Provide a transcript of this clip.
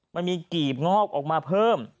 มันมีกีบงอกออกมาเพิ่ม